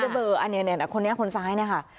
ไม่ได้เบลออันนี้เนี่ยนะคนนี้คนซ้ายเนี่ยค่ะ